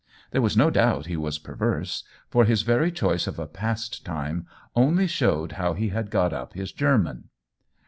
There was no doubt he was perverse, for his very choice of a pastime only showed how he had got up his German.